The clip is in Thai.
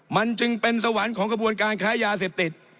มันจึงเป็นสวรรค์ของกระบวนการค้ายาเสพติด